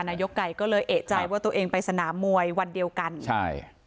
นายกไก่ก็เลยเอกใจว่าตัวเองไปสนามมวยวันเดียวกันใช่